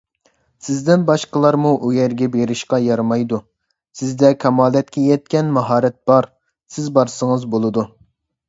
سىزدىن باشقىلارمۇ ئۇ يەرگە بېرىشقا يارىمايدۇ، سىزدە كامالەتكە يەتكەن ماھارەت بار، سىز بارسىڭىز بولىدۇ.